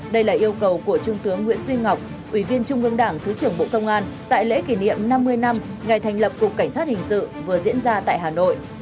đây là yêu cầu của trung tướng nguyễn duy ngọc ủy viên trung ương đảng thứ trưởng bộ công an tại lễ kỷ niệm năm mươi năm ngày thành lập cục cảnh sát hình sự vừa diễn ra tại hà nội